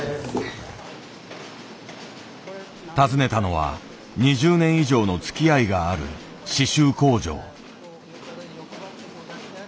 訪ねたのは２０年以上のつきあいがある刺しゅう工場。